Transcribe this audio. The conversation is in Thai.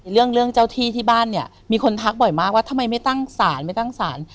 เรื่องเรื่องเจ้าที่ที่บ้านเนี่ยมีคนทักบ่อยมากว่าทำไมไม่ตั้งศาลไม่ตั้งศาล